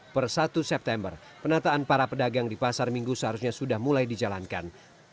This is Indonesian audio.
per satu september penataan para pedagang di pasar minggu seharusnya sudah mulai dijalankan